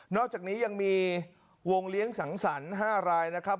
อกจากนี้ยังมีวงเลี้ยงสังสรรค์๕รายนะครับ